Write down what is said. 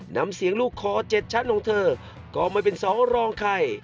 นำเสียงลูกคอ๗ชั้นของเธอกล่อมาเป็นเสารองไข่